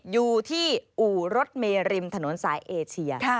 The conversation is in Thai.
อยู่ที่อู่รถเมริมถนนสายเอเชีย